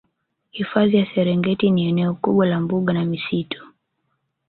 Hifadhi ya Serengeti ni eneo kubwa la mbuga na misitu